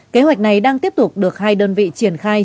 kế hoạch này đang tiếp tục được hai đơn vị triển khai